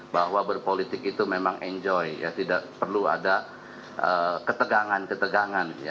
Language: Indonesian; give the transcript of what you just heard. bahwa berpolitik itu memang enjoy tidak perlu ada ketegangan ketegangan